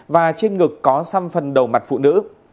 và trên ngực có xăm phần đầu mặt phụ nữ